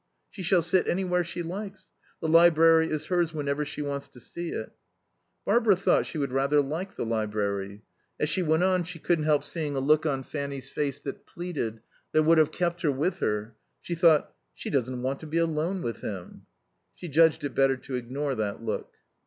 "She shall sit anywhere she likes. The library is hers whenever she wants to use it." Barbara thought she would rather like the library. As she went she couldn't help seeing a look on Fanny's face that pleaded, that would have kept her with her. She thought: She doesn't want to be alone with him. She judged it better to ignore that look.